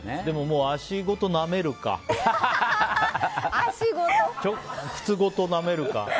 でも、足ごとなめるか靴ごとなめるか。